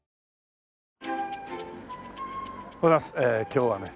今日はね